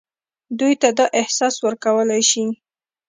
دوی ته دا احساس ورکولای شي.